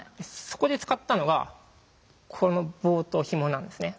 そこで使ったのがこの棒とひもなんですね。